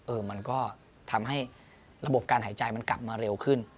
มันก็ทำให้ระบบการหายใจมันกลับมาเร็วขึ้น